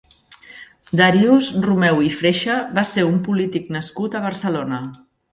Darius Rumeu i Freixa va ser un polític nascut a Barcelona.